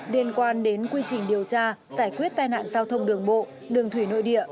liên quan đến quy trình điều tra giải quyết tai nạn giao thông đường bộ đường thủy nội địa